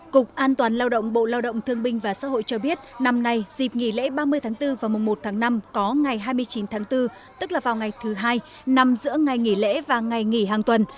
cục an toàn lao động bộ lao động thương binh và xã hội cho biết năm nay dịp nghỉ lễ ba mươi tháng bốn và mùng một tháng năm có ngày hai mươi chín tháng bốn tức là vào ngày thứ hai nằm giữa ngày nghỉ lễ và ngày nghỉ hàng tuần